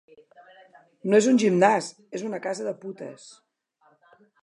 No és un gimnàs, és una casa de putes.